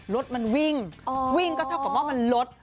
รถมันวิ่งวิ่งก็เท่ากับว่ามันลด